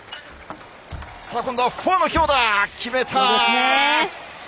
今度はフォアの強打決めた。